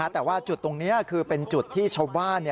แต่ว่าจุดตรงนี้คือเป็นจุดที่ชาวบ้าน